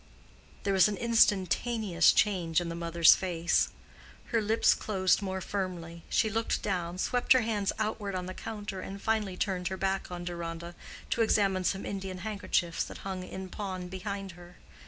There was an instantaneous change in the mother's face. Her lips closed more firmly, she looked down, swept her hands outward on the counter, and finally turned her back on Deronda to examine some Indian handkerchiefs that hung in pawn behind her.